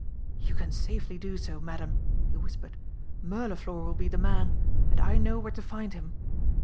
"You can safely do so, Madam," he whispered. "Mirliflor will be the man and I know where to find him."